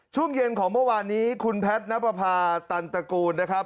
ช่วงเย็นของเมื่อวานนี้คุณแพทย์นับประพาตันตระกูลนะครับ